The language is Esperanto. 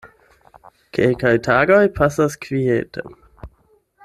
Kelkaj tagoj pasas kviete.